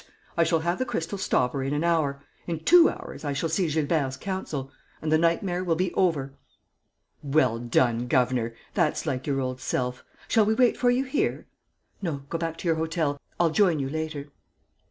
I shall have the crystal stopper in an hour. In two hours, I shall see Gilbert's counsel. And the nightmare will be over." "Well done, governor! That's like your old self. Shall we wait for you here?" "No, go back to your hotel. I'll join you later."